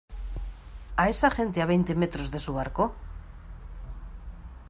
a esa gente a veinte metros de su barco?